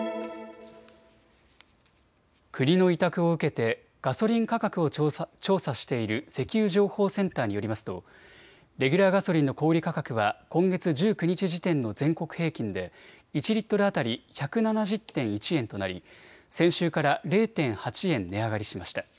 国の委託を受けてガソリン価格を調査している石油情報センターによりますとレギュラーガソリンの小売価格は今月１９日時点の全国平均で１リットル当たり１７０．１円となり先週から０．８円値上がりしました。